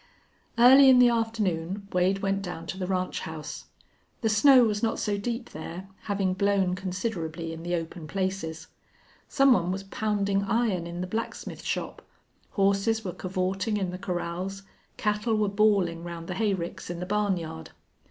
Early in the afternoon Wade went down to the ranch house. The snow was not so deep there, having blown considerably in the open places. Some one was pounding iron in the blacksmith shop; horses were cavorting in the corrals; cattle were bawling round the hay ricks in the barn yard.